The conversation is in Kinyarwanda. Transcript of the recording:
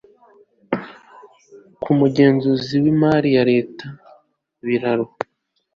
kumugenzuzi wimari yareta biraro